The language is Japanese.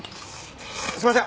すいません